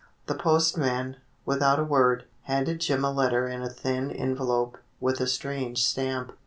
The postman, without a word, handed Jim a letter in a thin envelope with a strange stamp.